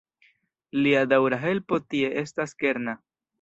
Lia daŭra helpo tie estas kerna.